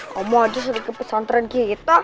kamu aja sering ke pesantren kita